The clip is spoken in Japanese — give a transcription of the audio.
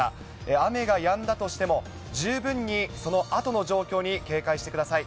雨がやんだとしても、十分にそのあとの状況に警戒してください。